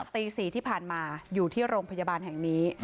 ตี๔ที่ผ่านมาอยู่ที่โรงพยาบาลแห่งนี้